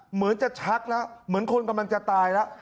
เหมือนจะชักแล้วเหมือนคนกำลังจะตายแล้ว